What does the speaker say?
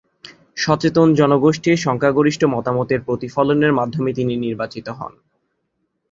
সচেতন জনগোষ্ঠীর সংখ্যাগরিষ্ঠ মতামতের প্রতিফলনের মাধ্যমে তিনি নির্বাচিত হন।